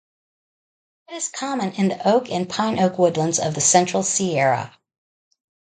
It is common in the oak and pine–oak woodlands of the central Sierra.